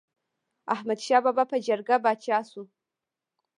احمد شاه بابا په جرګه پاچا شو.